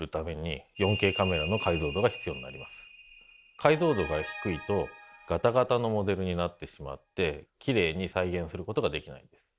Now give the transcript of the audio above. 解像度が低いとガタガタのモデルになってしまってきれいに再現することができないんです。